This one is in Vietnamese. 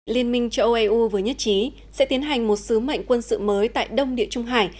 liên minh châu âu eu vừa nhất trí sẽ tiến hành một sứ mệnh quân sự mới tại đông địa trung hải